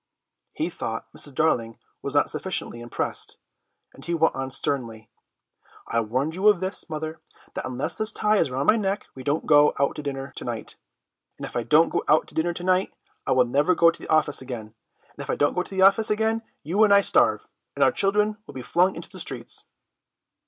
He thought Mrs. Darling was not sufficiently impressed, and he went on sternly, "I warn you of this, mother, that unless this tie is round my neck we don't go out to dinner to night, and if I don't go out to dinner to night, I never go to the office again, and if I don't go to the office again, you and I starve, and our children will be flung into the streets."